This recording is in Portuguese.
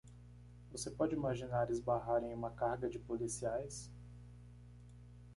Você pode imaginar esbarrar em uma carga de policiais?